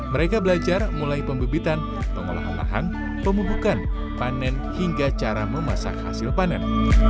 mereka belajar mulai pembibitan pengolahan lahan pemubukan panen hingga cara memasak hasil panen